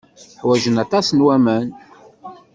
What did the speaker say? Ḥwajen aṭas n waman.